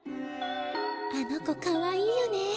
あの子かわいいよね。